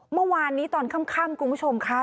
เมื่อวานนี้ตอนค่ำคุณผู้ชมค่ะ